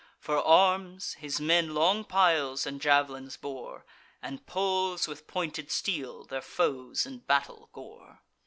For arms, his men long piles and jav'lins bore; And poles with pointed steel their foes in battle gore.